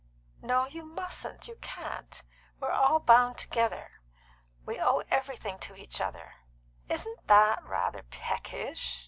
"No, you mustn't; you can't. We are all bound together; we owe everything to each other." "Isn't that rather Peckish?"